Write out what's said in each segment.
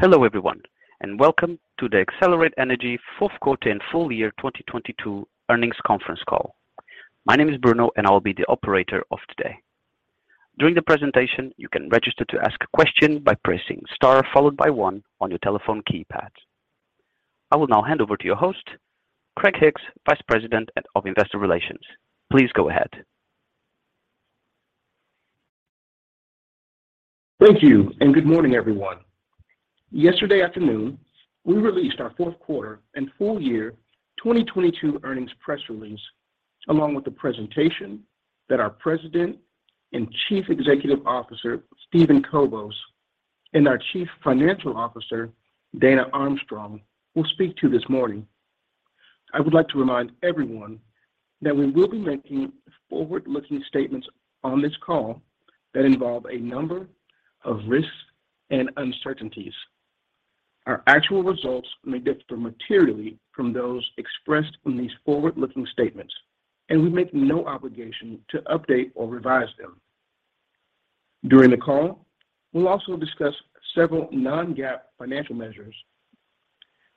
Hello everyone, welcome to the Excelerate Energy fourth quarter and full year 2022 earnings conference call. My name is Bruno and I will be the operator of today. During the presentation, you can register to ask a question by pressing star followed by one on your telephone keypad. I will now hand over to your host, Craig Hicks, Vice President of Investor Relations. Please go ahead. Thank you. Good morning, everyone. Yesterday afternoon, we released our fourth quarter and full year 2022 earnings press release, along with the presentation that our President and Chief Executive Officer, Steven Kobos, and our Chief Financial Officer, Dana Armstrong, will speak to this morning. I would like to remind everyone that we will be making forward-looking statements on this call that involve a number of risks and uncertainties. Our actual results may differ materially from those expressed in these forward-looking statements. We make no obligation to update or revise them. During the call, we'll also discuss several non-GAAP financial measures.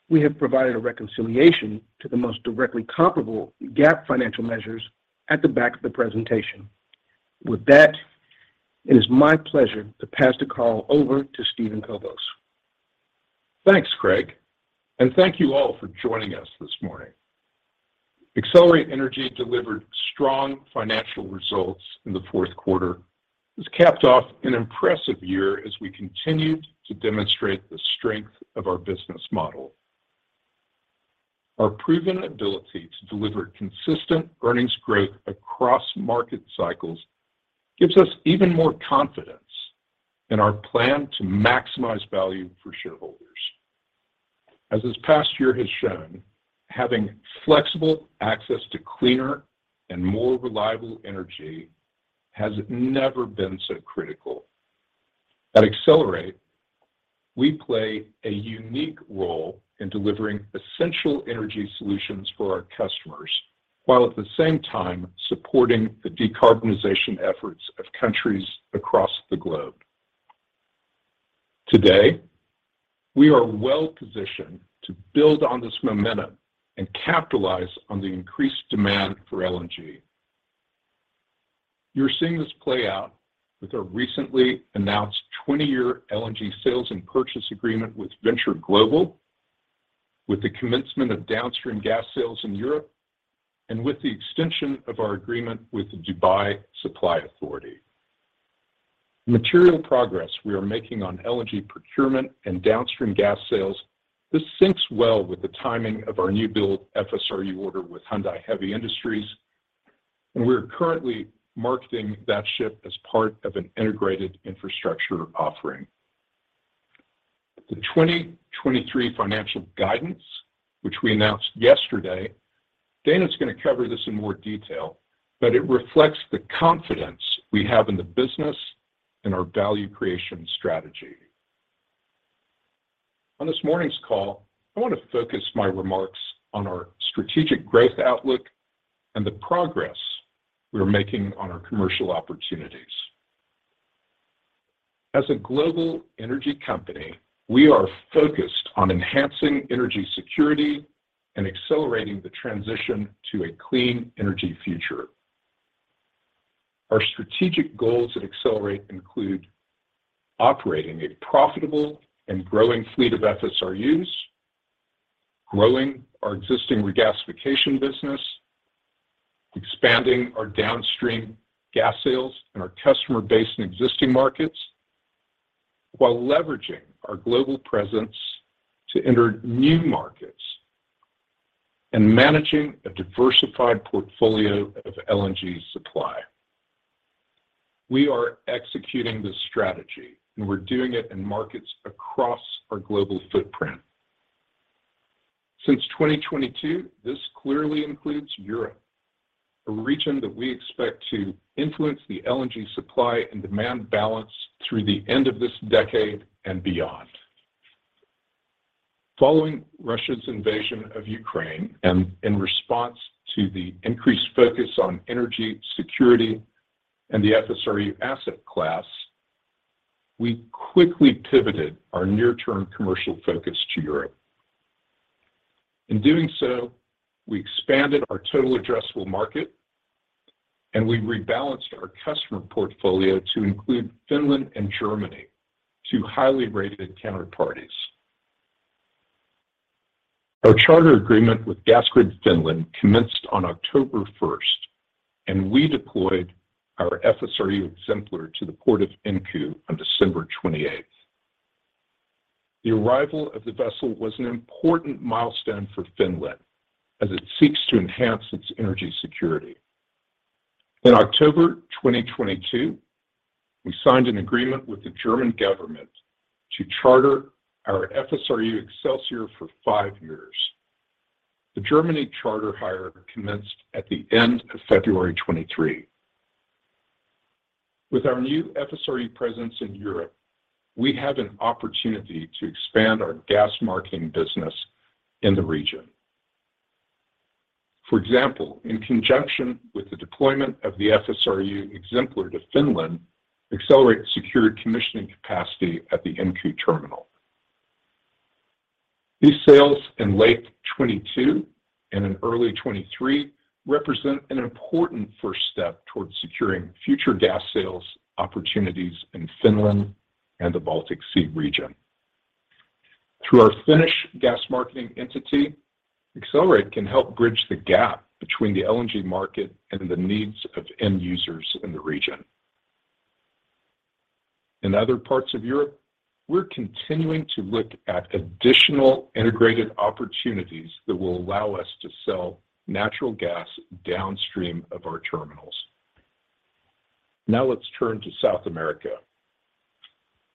We have provided a reconciliation to the most directly comparable GAAP financial measures at the back of the presentation. With that, it is my pleasure to pass the call over to Steven Kobos. Thanks, Craig. Thank you all for joining us this morning. Excelerate Energy delivered strong financial results in the fourth quarter, which capped off an impressive year as we continued to demonstrate the strength of our business model. Our proven ability to deliver consistent earnings growth across market cycles gives us even more confidence in our plan to maximize value for shareholders. This past year has shown, having flexible access to cleaner and more reliable energy has never been so critical. At Excelerate, we play a unique role in delivering essential energy solutions for our customers, while at the same time supporting the decarbonization efforts of countries across the globe. Today, we are well-positioned to build on this momentum and capitalize on the increased demand for LNG. You're seeing this play out with our recently announced 20-year LNG sales and purchase agreement with Venture Global, with the commencement of downstream gas sales in Europe. With the extension of our agreement with the Dubai Supply Authority, the material progress we are making on LNG procurement and downstream gas sales, this syncs well with the timing of our new-build FSRU order with Hyundai Heavy Industries. We're currently marketing that ship as part of an integrated infrastructure offering. The 2023 financial guidance, which we announced yesterday, Dana's gonna cover this in more detail. It reflects the confidence we have in the business and our value creation strategy. On this morning's call, I wanna focus my remarks on our strategic growth outlook and the progress we are making on our commercial opportunities. As a global energy company, we are focused on enhancing energy security and accelerating the transition to a clean energy future. Our strategic goals at Excelerate include operating a profitable and growing fleet of FSRUs, growing our existing regasification business, expanding our downstream gas sales and our customer base in existing markets, while leveraging our global presence to enter new markets and managing a diversified portfolio of LNG supply. We are executing this strategy, and we're doing it in markets across our global footprint. Since 2022, this clearly includes Europe, a region that we expect to influence the LNG supply and demand balance through the end of this decade and beyond. Following Russia's invasion of Ukraine and in response to the increased focus on energy security and the FSRU asset class, we quickly pivoted our near-term commercial focus to Europe. In doing so, we expanded our total addressable market and we rebalanced our customer portfolio to include Finland and Germany, two highly rated counterparties. Our charter agreement with Gasgrid Finland commenced on October 1st, and we deployed our FSRU Exemplar to the Port of Inkoo on December 28th. The arrival of the vessel was an important milestone for Finland as it seeks to enhance its energy security. In October 2022, we signed an agreement with the German government to charter our FSRU Excelsior for five years. The Germany charter hire commenced at the end of February 2023. With our new FSRU presence in Europe, we have an opportunity to expand our gas marketing business in the region. For example, in conjunction with the deployment of the FSRU Exemplar to Finland, Excelerate secured commissioning capacity at the Inkoo terminal. These sales in late 2022 and in early 2023 represent an important first step towards securing future gas sales opportunities in Finland and the Baltic Sea region. Through our Finnish gas marketing entity, Excelerate can help bridge the gap between the LNG market and the needs of end users in the region. In other parts of Europe, we're continuing to look at additional integrated opportunities that will allow us to sell natural gas downstream of our terminals. Let's turn to South America.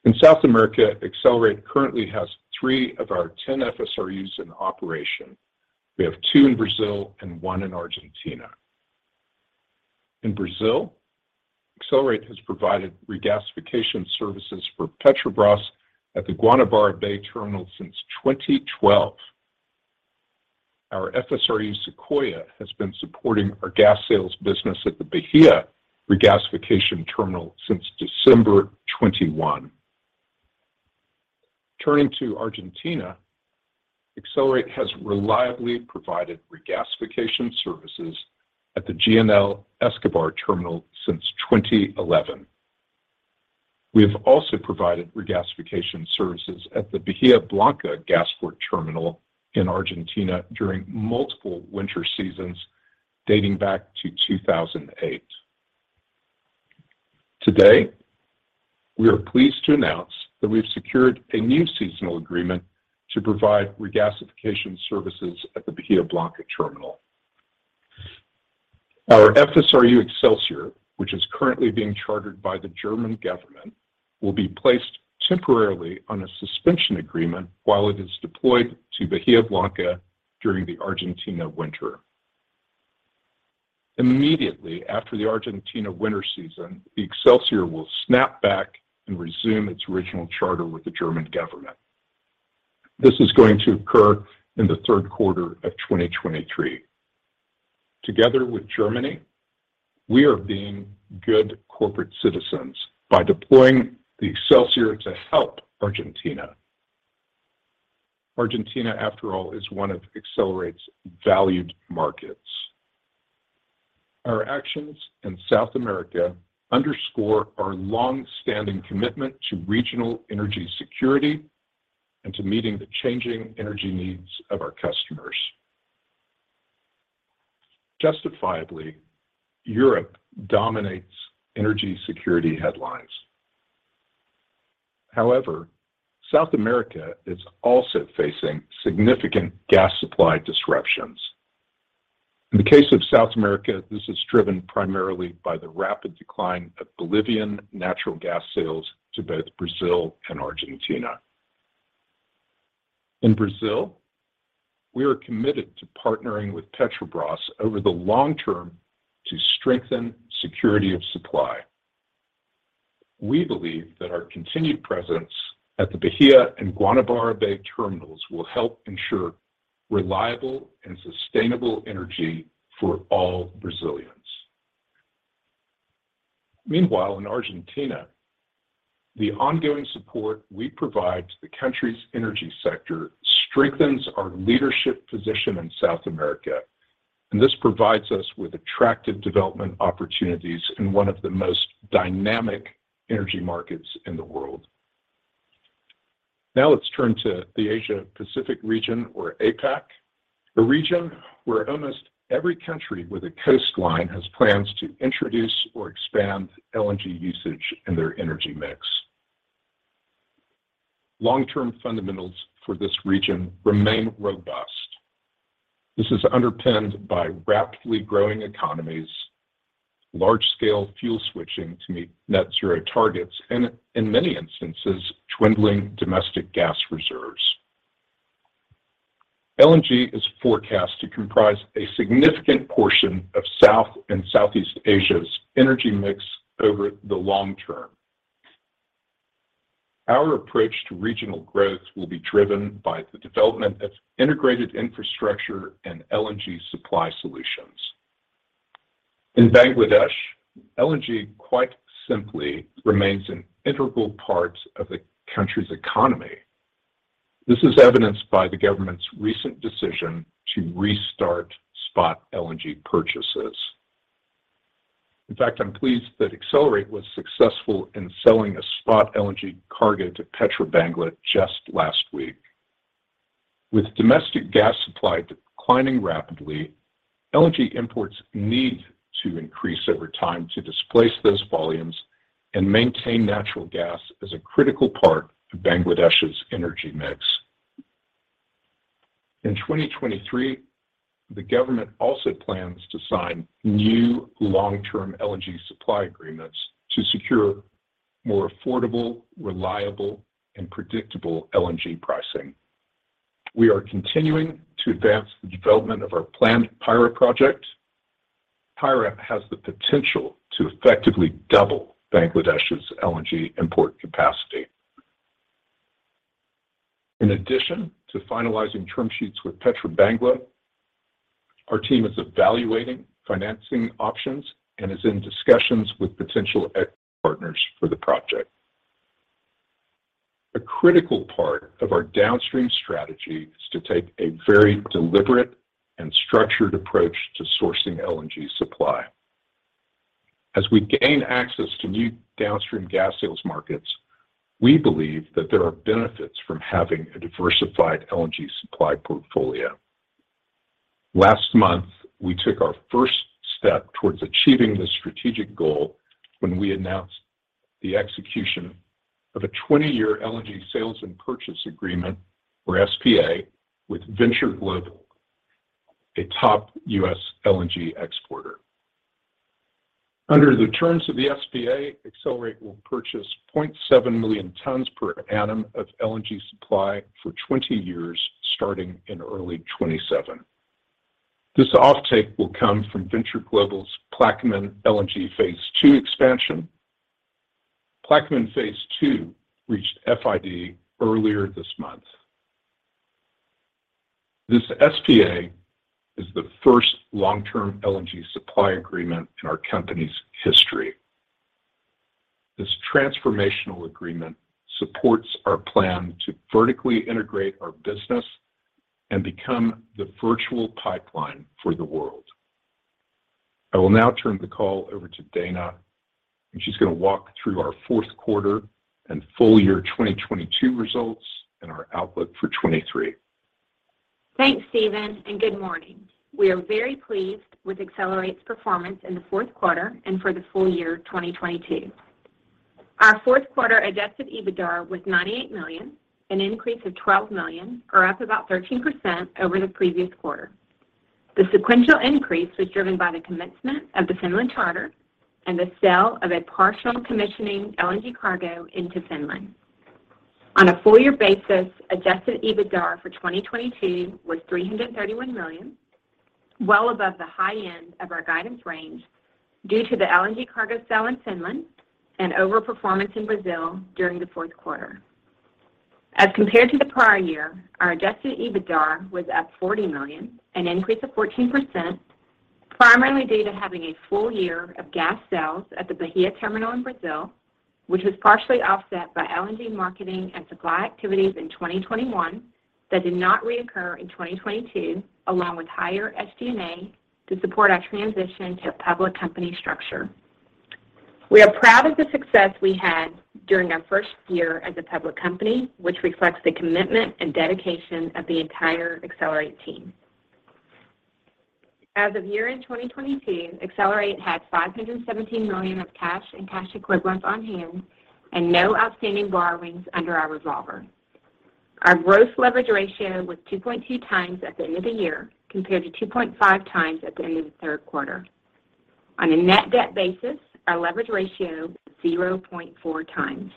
In South America, Excelerate currently has three of our 10 FSRUs in operation. We have two in Brazil and one in Argentina. In Brazil, Excelerate has provided regasification services for Petrobras at the Guanabara Bay Terminal since 2012. Our FSRU Sequoia has been supporting our gas sales business at the Bahia Regasification Terminal since December 2021. Turning to Argentina, Excelerate has reliably provided regasification services at the GNL Escobar Terminal since 2011. We have also provided regasification services at the Bahia Blanca GasPort terminal in Argentina during multiple winter seasons dating back to 2008. Today, we are pleased to announce that we've secured a new seasonal agreement to provide regasification services at the Bahia Blanca terminal. Our FSRU Excelsior, which is currently being chartered by the German government, will be placed temporarily on a suspension agreement while it is deployed to Bahia Blanca during the Argentina winter. Immediately after the Argentina winter season, the Excelsior will snap back and resume its original charter with the German government. This is going to occur in the third quarter of 2023. Together with Germany, we are being good corporate citizens by deploying the Excelsior to help Argentina. Argentina, after all, is one of Excelerate's valued markets. Our actions in South America underscore our long-standing commitment to regional energy security and to meeting the changing energy needs of our customers. Justifiably, Europe dominates energy security headlines. However, South America is also facing significant gas supply disruptions. In the case of South America, this is driven primarily by the rapid decline of Bolivian natural gas sales to both Brazil and Argentina. In Brazil, we are committed to partnering with Petrobras over the long-term to strengthen security of supply. We believe that our continued presence at the Bahia and Guanabara Bay terminals will help ensure reliable and sustainable energy for all Brazilians. Meanwhile, in Argentina, the ongoing support we provide to the country's energy sector strengthens our leadership position in South America, and this provides us with attractive development opportunities in one of the most dynamic energy markets in the world. Now let's turn to the Asia Pacific region or APAC, a region where almost every country with a coastline has plans to introduce or expand LNG usage in their energy mix. Long-term fundamentals for this region remain robust. This is underpinned by rapidly growing economies, large-scale fuel switching to meet net zero targets, and in many instances, dwindling domestic gas reserves. LNG is forecast to comprise a significant portion of South and Southeast Asia's energy mix over the long-term. Our approach to regional growth will be driven by the development of integrated infrastructure and LNG supply solutions. In Bangladesh, LNG quite simply remains an integral part of the country's economy. This is evidenced by the government's recent decision to restart spot LNG purchases. In fact, I'm pleased that Excelerate was successful in selling a spot LNG cargo to Petrobangla just last week. With domestic gas supply declining rapidly, LNG imports need to increase over time to displace those volumes and maintain natural gas as a critical part of Bangladesh's energy mix. In 2023, the government also plans to sign new long-term LNG supply agreements to secure more affordable, reliable, and predictable LNG pricing. We are continuing to advance the development of our planned Payra project. Payra has the potential to effectively double Bangladesh's LNG import capacity. In addition to finalizing term sheets with Petrobangla, our team is evaluating financing options and is in discussions with potential equity partners for the project. A critical part of our downstream strategy is to take a very deliberate and structured approach to sourcing LNG supply. As we gain access to new downstream gas sales markets, we believe that there are benefits from having a diversified LNG supply portfolio. Last month, we took our first step towards achieving this strategic goal when we announced the execution of a 20-year LNG sales and purchase agreement, or SPA, with Venture Global, a top U.S. LNG exporter. Under the terms of the SPA, Excelerate will purchase 0.7 million tons per annum of LNG supply for 20 years, starting in early 2027. This offtake will come from Venture Global's Plaquemines LNG phase II expansion. Plaquemines phase II reached FID earlier this month. This SPA is the first long-term LNG supply agreement in our company's history. This transformational agreement supports our plan to vertically integrate our business and become the virtual pipeline for the world. I will now turn the call over to Dana, and she's gonna walk through our fourth quarter and full year 2022 results and our outlook for 2023. Thanks, Steven. Good morning. We are very pleased with Excelerate's performance in the fourth quarter and for the full year 2022. Our fourth quarter adjusted EBITDA was $98 million, an increase of $12 million or up about 13% over the previous quarter. The sequential increase was driven by the commencement of the Finland charter and the sale of a partial commissioning LNG cargo into Finland. On a full year basis, adjusted EBITDA for 2022 was $331 million, well above the high end of our guidance range due to the LNG cargo sale in Finland and overperformance in Brazil during the fourth quarter. As compared to the prior year, our adjusted EBITDA was up $40 million, an increase of 14%, primarily due to having a full year of gas sales at the Bahia terminal in Brazil, which was partially offset by LNG marketing and supply activities in 2021 that did not reoccur in 2022, along with higher SG&A to support our transition to a public company structure. We are proud of the success we had during our first year as a public company, which reflects the commitment and dedication of the entire Excelerate team. As of year-end 2022, Excelerate had $517 million of cash and cash equivalents on hand and no outstanding borrowings under our revolver. Our gross leverage ratio was 2.2x at the end of the year compared to 2.5x at the end of the third quarter. On a net debt basis, our leverage ratio was 0.4x.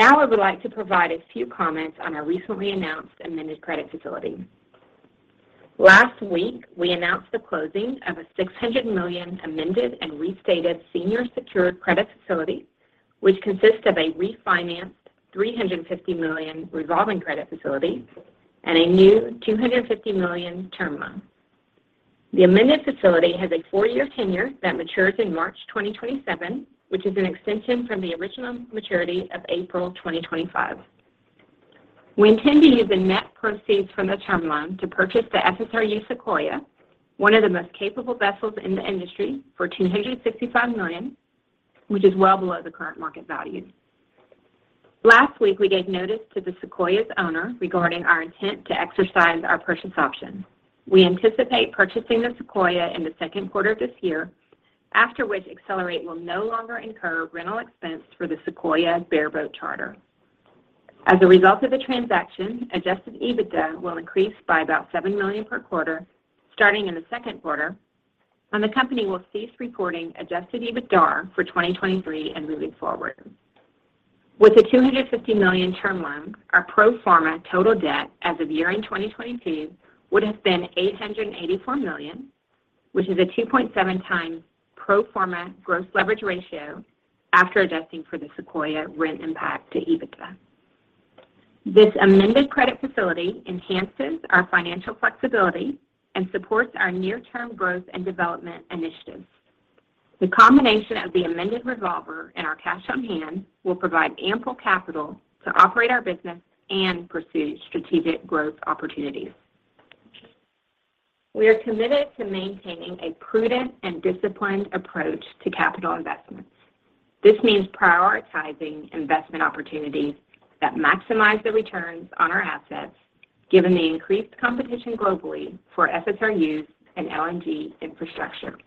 I would like to provide a few comments on our recently announced amended credit facility. Last week, we announced the closing of a $600 million amended and restated senior secured credit facility, which consists of a refinanced $350 million revolving credit facility and a new $250 million term loan. The amended facility has a four-year tenure that matures in March 2027, which is an extension from the original maturity of April 2025. We intend to use the net proceeds from the term loan to purchase the FSRU Sequoia, one of the most capable vessels in the industry, for $265 million, which is well below the current market value. Last week, we gave notice to the Sequoia's owner regarding our intent to exercise our purchase option. We anticipate purchasing the Sequoia in the second quarter of this year, after which Excelerate will no longer incur rental expense for the Sequoia bareboat charter. As a result of the transaction, adjusted EBITDA will increase by about $7 million per quarter, starting in the second quarter, and the company will cease reporting adjusted EBITDA for 2023 and moving forward. With the $250 million term loan, our pro forma total debt as of year-end 2022 would have been $884 million, which is a 2.7x pro forma gross leverage ratio after adjusting for the Sequoia rent impact to EBITDA. This amended credit facility enhances our financial flexibility and supports our near-term growth and development initiatives. The combination of the amended revolver and our cash on hand will provide ample capital to operate our business and pursue strategic growth opportunities. We are committed to maintaining a prudent and disciplined approach to capital investments. This means prioritizing investment opportunities that maximize the returns on our assets, given the increased competition globally for FSRUs and LNG infrastructure.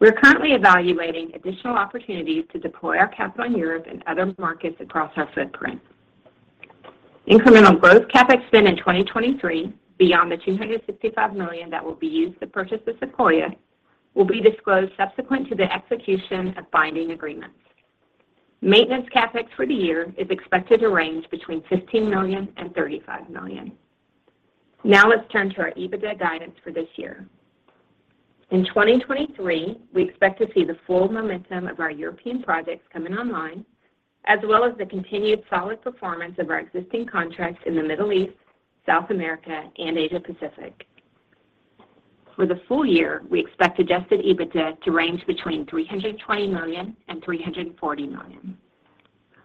We are currently evaluating additional opportunities to deploy our capital in Europe and other markets across our footprint. Incremental growth CapEx spend in 2023, beyond the $265 million that will be used to purchase the Sequoia, will be disclosed subsequent to the execution of binding agreements. Maintenance CapEx for the year is expected to range between $15 million and $35 million. Now let's turn to our EBITDA guidance for this year. In 2023, we expect to see the full momentum of our European projects coming online, as well as the continued solid performance of our existing contracts in the Middle East, South America, and Asia Pacific. For the full year, we expect adjusted EBITDA to range between $320 million and $340 million.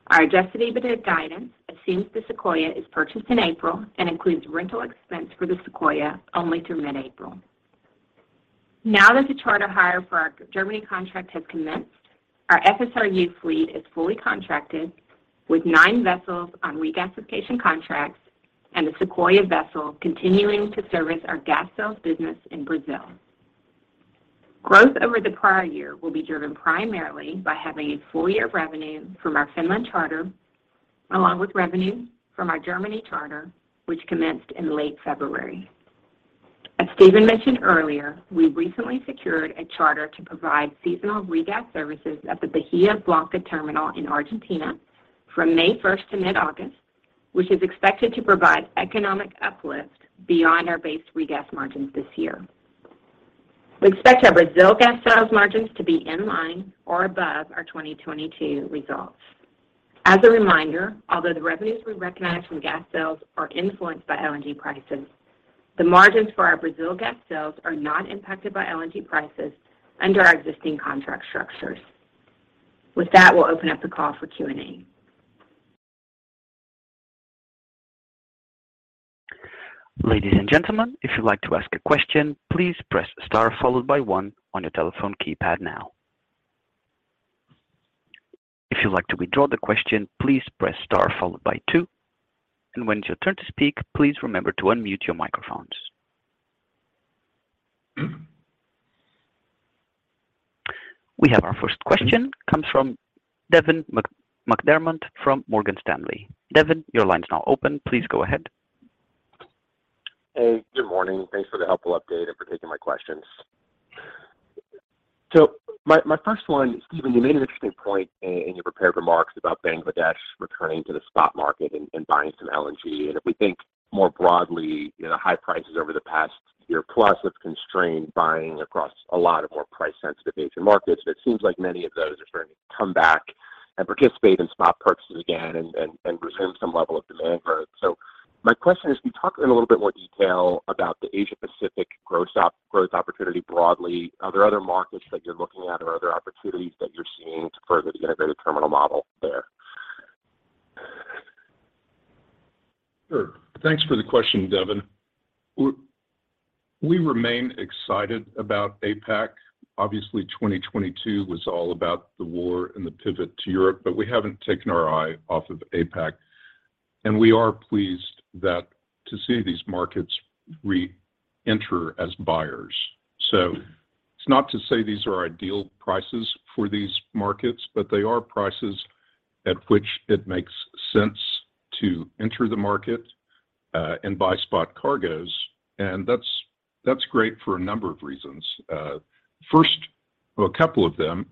Our adjusted EBITDA guidance assumes the Sequoia is purchased in April and includes rental expense for the Sequoia only through mid-April. Now that the charter hire for our Germany contract has commenced, our FSRU fleet is fully contracted with nine vessels on regasification contracts and the Sequoia vessel continuing to service our gas sales business in Brazil. Growth over the prior year will be driven primarily by having a full year of revenue from our Finland charter, along with revenue from our Germany charter, which commenced in late February. As Steven mentioned earlier, we recently secured a charter to provide seasonal regas services at the Bahia Blanca terminal in Argentina from May 1st to mid-August, which is expected to provide economic uplift beyond our base regas margins this year. We expect our Brazil gas sales margins to be in line or above our 2022 results. As a reminder, although the revenues we recognize from gas sales are influenced by LNG prices, the margins for our Brazil gas sales are not impacted by LNG prices under our existing contract structures. With that, we'll open up the call for Q&A. Ladies and gentlemen, if you'd like to ask a question, please press star followed by one on your telephone keypad now. If you'd like to withdraw the question, please press star followed by two, and when it's your turn to speak, please remember to unmute your microphones. We have our first question. Comes from Devin McDermott from Morgan Stanley. Devin, your line's now open. Please go ahead. Hey, good morning. Thanks for the helpful update and for taking my questions. My first one, Steven, you made an interesting point in your prepared remarks about Bangladesh returning to the spot market and buying some LNG. If we think more broadly, you know, high prices over the past year plus have constrained buying across a lot of more price-sensitive Asian markets. It seems like many of those are starting to come back and participate in spot purchases again and resume some level of demand for it. My question is, can you talk in a little bit more detail about the Asia Pacific growth opportunity broadly? Are there other markets that you're looking at, or are there opportunities that you're seeing to further the integrated terminal model there? Sure. Thanks for the question, Devin. We remain excited about APAC. Obviously, 2022 was all about the war and the pivot to Europe, but we haven't taken our eye off of APAC. We are pleased that to see these markets reenter as buyers. It's not to say these are ideal prices for these markets, but they are prices at which it makes sense to enter the market and buy spot cargoes. That's great for a number of reasons. First, or a couple of them,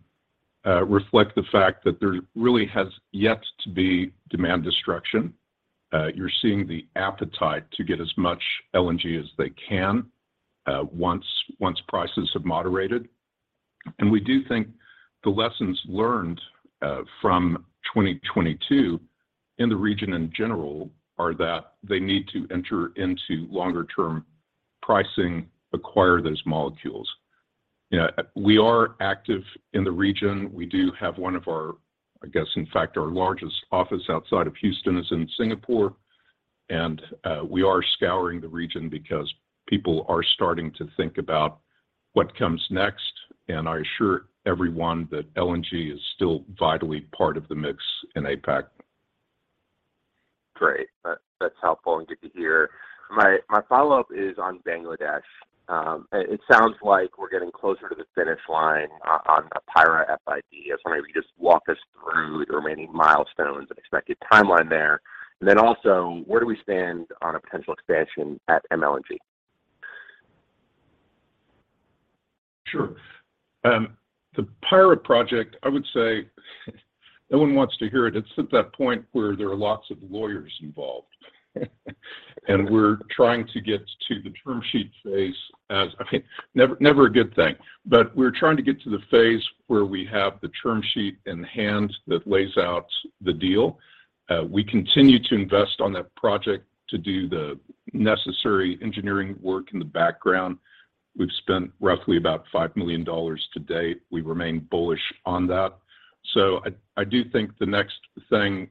reflect the fact that there really has yet to be demand destruction. You're seeing the appetite to get as much LNG as they can once prices have moderated. We do think the lessons learned from 2022 in the region in general are that they need to enter into longer-term pricing, acquire those molecules. You know, we are active in the region. We do have one of our, I guess in fact our largest office outside of Houston is in Singapore. We are scouring the region because people are starting to think about what comes next. I assure everyone that LNG is still vitally part of the mix in APAC. Great. That's helpful and good to hear. My follow-up is on Bangladesh. It sounds like we're getting closer to the finish line on Payra FID. Maybe you could just walk us through the remaining milestones and expected timeline there. Also, where do we stand on a potential expansion at MLNG? Sure. The Payra project, I would say, no one wants to hear it. It's at that point where there are lots of lawyers involved. We're trying to get to the term sheet phase I mean, never a good thing. We're trying to get to the phase where we have the term sheet in hand that lays out the deal. We continue to invest on that project to do the necessary engineering work in the background. We've spent roughly about $5 million to date. We remain bullish on that. I do think the next thing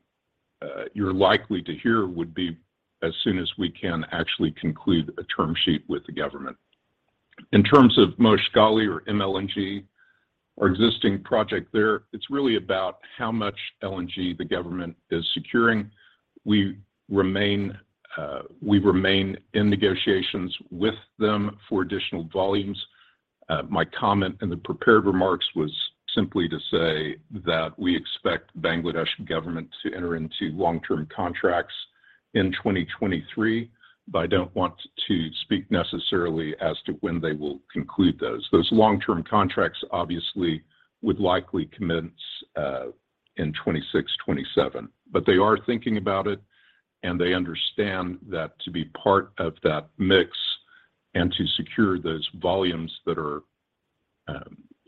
you're likely to hear would be as soon as we can actually conclude a term sheet with the government. In terms of Moheshkhali or MLNG, our existing project there, it's really about how much LNG the government is securing. We remain in negotiations with them for additional volumes. My comment in the prepared remarks was simply to say that we expect Bangladesh government to enter into long-term contracts in 2023, but I don't want to speak necessarily as to when they will conclude those. Those long-term contracts obviously would likely commence in 2026, 2027. They are thinking about it, and they understand that to be part of that mix and to secure those volumes that are,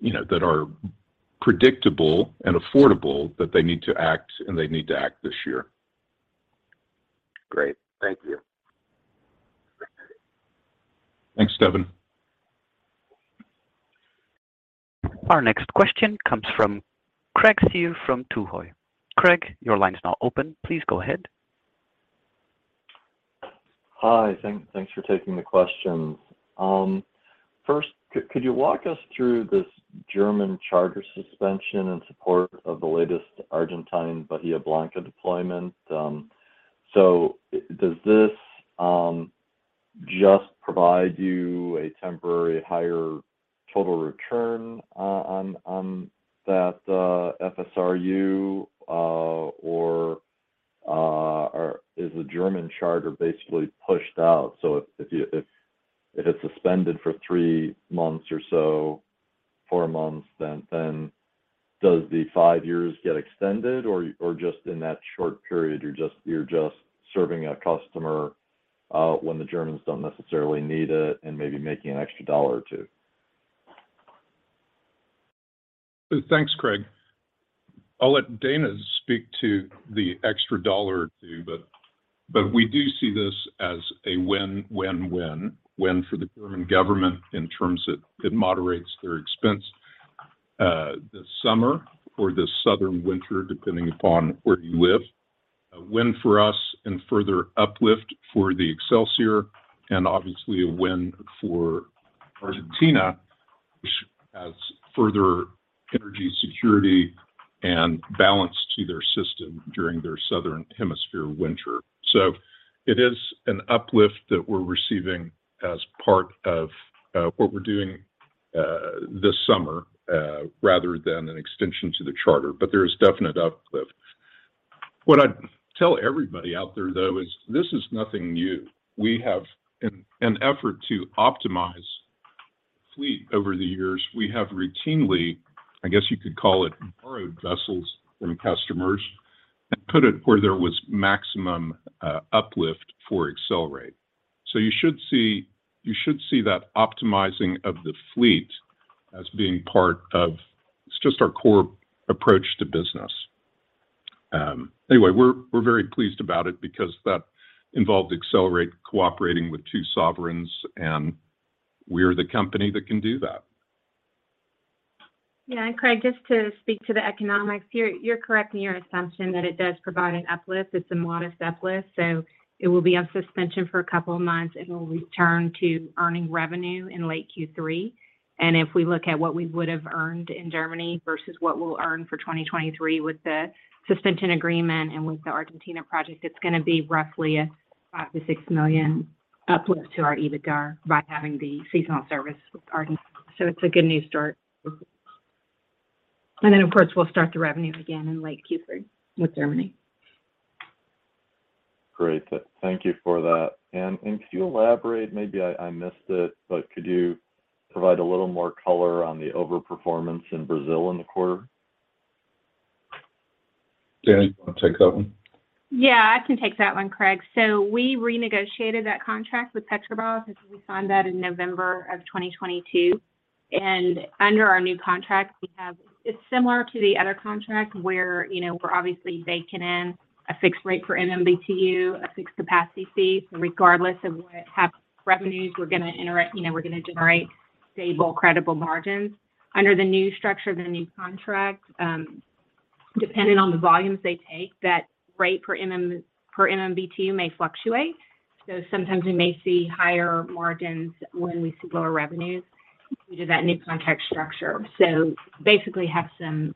you know, that are predictable and affordable, that they need to act and they need to act this year. Great. Thank you. Thanks, Devin. Our next question comes from Craig Shere from Tuohy. Craig, your line is now open. Please go ahead. Hi. Thanks for taking the questions. First, could you walk us through this German charter suspension in support of the latest Argentine Bahia Blanca deployment? Does this just provide you a temporary higher total return on that FSRU, or is the German charter basically pushed out? If you, if it's suspended for three months or so, four months, then does the five years get extended or just in that short period, you're just serving a customer when the Germans don't necessarily need it and maybe making an extra $1 or $2? Thanks, Craig. I'll let Dana speak to the extra $1 or $2, but we do see this as a win, win. Win for the German government in terms of it moderates their expense this summer or this southern winter, depending upon where you live. A win for us and further uplift for the Excelsior, and obviously a win for Argentina, which adds further energy security and balance to their system during their Southern Hemisphere winter. It is an uplift that we're receiving as part of what we're doing this summer, rather than an extension to the charter. There is definite uplift. What I'd tell everybody out there, though, is this is nothing new. We have an effort to optimize fleet over the years. We have routinely, I guess you could call it, borrowed vessels from customers and put it where there was maximum uplift for Excelerate. You should see that optimizing of the fleet as being part of it's just our core approach to business. Anyway, we're very pleased about it because that involved Excelerate cooperating with two sovereigns. We're the company that can do that. Yeah. Craig, just to speak to the economics, you're correct in your assumption that it does provide an uplift. It's a modest uplift, so it will be on suspension for a couple of months. It will return to earning revenue in late Q3. If we look at what we would have earned in Germany versus what we'll earn for 2023 with the suspension agreement and with the Argentina project, it's gonna be roughly a $5 million-$6 million uplift to our EBITDA by having the seasonal service with Argentina. It's a good new start. Of course, we'll start the revenue again in late Q3 with Germany. Great. Thank you for that. And could you elaborate, maybe I missed it, but could you provide a little more color on the overperformance in Brazil in the quarter? Dana, do you want to take that one? Yeah, I can take that one, Craig. We renegotiated that contract with Petrobras. We signed that in November of 2022. Under our new contract, it's similar to the other contract where, you know, we're obviously baking in a fixed rate per MMBtu, a fixed capacity fee. Regardless of what revenues, we're going to generate stable, credible margins. Under the new structure, the new contract, depending on the volumes they take, that rate per MMBtu may fluctuate. Sometimes we may see higher margins when we see lower revenues due to that new contract structure. Basically have some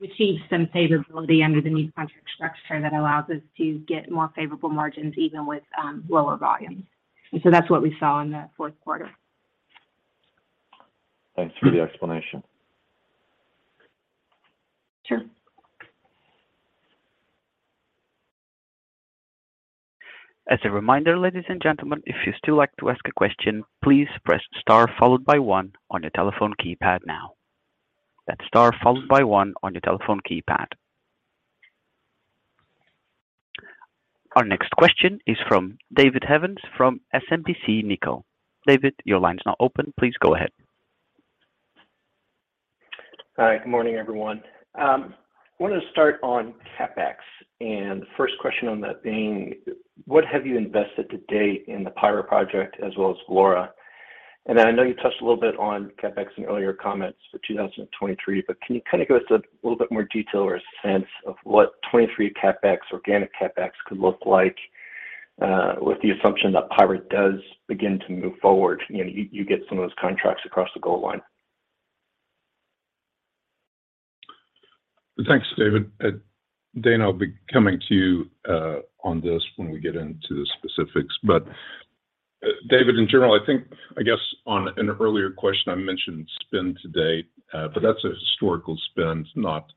favorability under the new contract structure that allows us to get more favorable margins, even with lower volumes. That's what we saw in the fourth quarter. Thanks for the explanation. Sure. As a reminder, ladies and gentlemen, if you'd still like to ask a question, please press star followed by one on your telephone keypad now. That's star followed by one on your telephone keypad. Our next question is from David Havens from SMBC Nikko. David, your line is now open. Please go ahead. All right. Good morning, everyone. Wanted to start on CapEx. The first question on that being: What have you invested to date in the Payra project as well as Vlora? I know you touched a little bit on CapEx in your earlier comments for 2023, can you kind of give us a little bit more detail or a sense of what 23 CapEx, organic CapEx could look like with the assumption that Payra does begin to move forward, you know, you get some of those contracts across the goal line? Thanks, David. Dana, I'll be coming to you on this when we get into the specifics. David, in general, I think, I guess on an earlier question, I mentioned spend to date, but that's a historical spend, not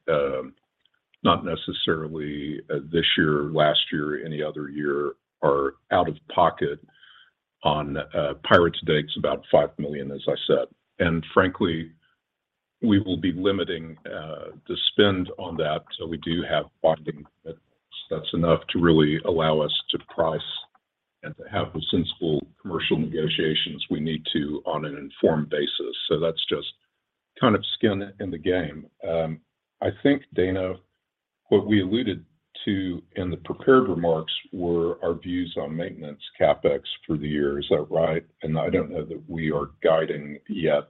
necessarily this year, last year, any other year are out of pocket on Payra today is about $5 million, as I said. Frankly, we will be limiting the spend on that, so we do have funding. That's enough to really allow us to price and to have the sensible commercial negotiations we need to on an informed basis. That's just kind of skin in the game. I think, Dana, what we alluded to in the prepared remarks were our views on maintenance CapEx through the year. Is that right? I don't know that we are guiding yet,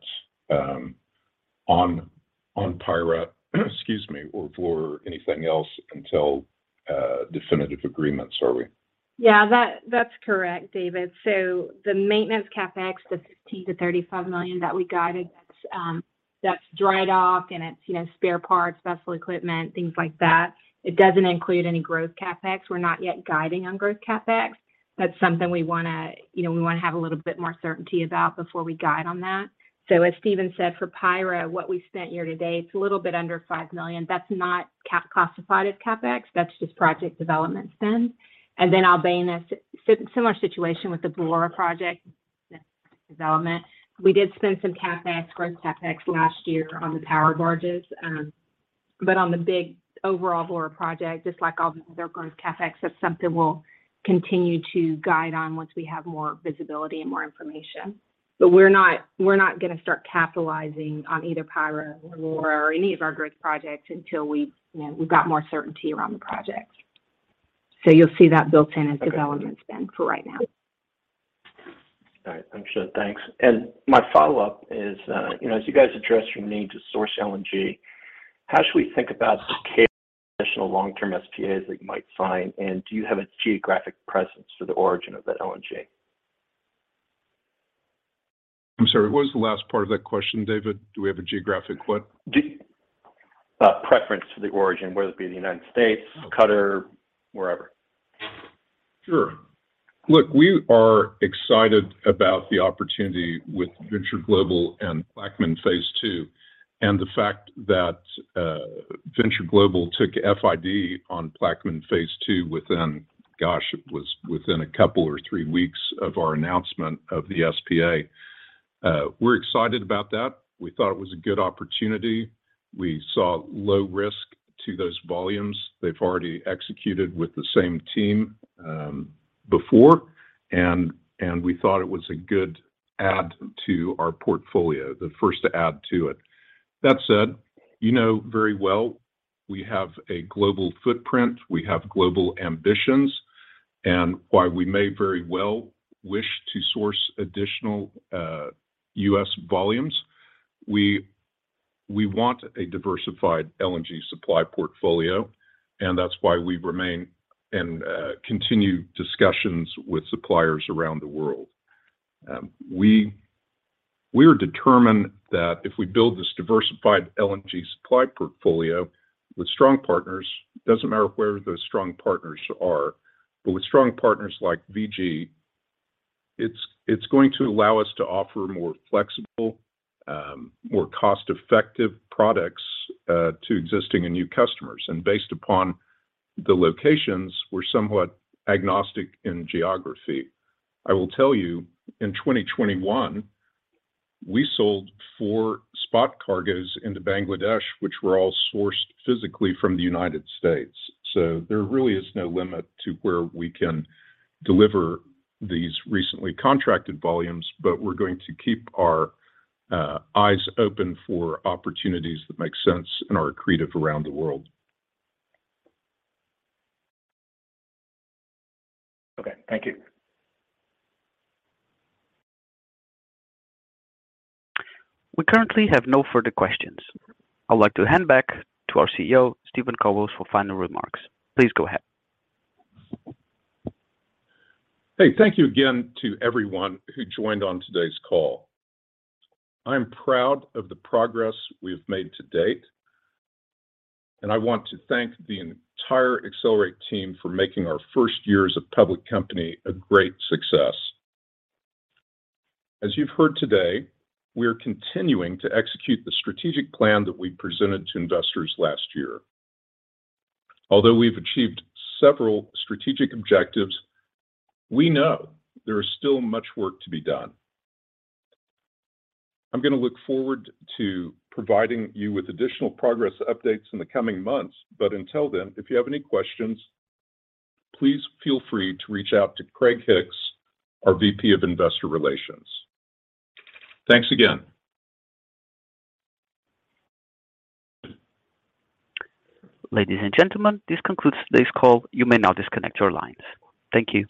on Payra, excuse me, or for anything else until definitive agreements, are we? That's correct, David. The maintenance CapEx, the $15 million-$35 million that we guided, that's dry dock and it's, you know, spare parts, special equipment, things like that. It doesn't include any growth CapEx. We're not yet guiding on growth CapEx. That's something we wanna. You know, we wanna have a little bit more certainty about before we guide on that. As Steven said, for Payra, what we spent year-to-date, it's a little bit under $5 million. That's not classified as CapEx. That's just project development spend. Albania, similar situation with the Vlora project development. We did spend some CapEx, growth CapEx last year on the power barges. On the big overall Vlora project, just like all the other growth CapEx, that's something we'll continue to guide on once we have more visibility and more information. We're not, we're not gonna start capitalizing on either Payra or Vlora or any of our growth projects until we, you know, we've got more certainty around the projects. You'll see that built in as development spend for right now. All right. Understood. Thanks. My follow-up is, you know, as you guys address your need to source LNG, how should we think about the additional long-term SPAs that you might sign, and do you have a geographic presence for the origin of that LNG? I'm sorry, what was the last part of that question, David? Do we have a geographic what? Preference to the origin, whether it be the United States. Okay. Qatar, wherever. Sure. Look, we are excited about the opportunity with Venture Global and Plaquemines phase II, and the fact that Venture Global took FID on Plaquemines phase II within, gosh, it was within two or three weeks of our announcement of the SPA. We're excited about that. We thought it was a good opportunity. We saw low risk to those volumes. They've already executed with the same team before, and we thought it was a good add to our portfolio. The first add to it. That said, you know very well we have a global footprint, we have global ambitions, and while we may very well wish to source additional U.S. volumes, we want a diversified LNG supply portfolio, and that's why we remain in continued discussions with suppliers around the world. We're determined that if we build this diversified LNG supply portfolio with strong partners, doesn't matter where those strong partners are, but with strong partners like VG, it's going to allow us to offer more flexible, more cost-effective products to existing and new customers. Based upon the locations, we're somewhat agnostic in geography. I will tell you, in 2021, we sold four spot cargoes into Bangladesh, which were all sourced physically from the United States. There really is no limit to where we can deliver these recently contracted volumes, but we're going to keep our eyes open for opportunities that make sense and are accretive around the world. Okay. Thank you. We currently have no further questions. I'd like to hand back to our CEO, Steven Kobos, for final remarks. Please go ahead. Hey, thank you again to everyone who joined on today's call. I'm proud of the progress we have made to date, and I want to thank the entire Excelerate team for making our first year as a public company a great success. As you've heard today, we are continuing to execute the strategic plan that we presented to investors last year. Although we've achieved several strategic objectives, we know there is still much work to be done. I'm gonna look forward to providing you with additional progress updates in the coming months, but until then, if you have any questions, please feel free to reach out to Craig Hicks, our VP of Investor Relations. Thanks again. Ladies and gentlemen, this concludes today's call. You may now disconnect your lines. Thank you.